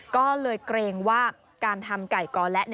ก็เลยเกรงว่าการทำไก่กอและ